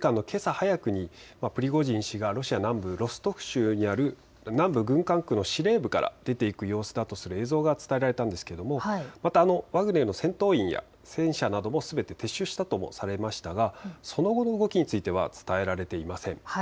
早くにプリゴジン氏がロシア南部のロストフ州にある南部軍管区の司令部から出て行く様子だとする映像が伝えられたんですけれども、またワグネルの戦闘員や戦車などもすべて撤収したともされましたがその後の動きは伝えられていません。